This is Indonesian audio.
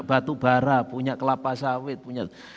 batu bara punya kelapa sawit punya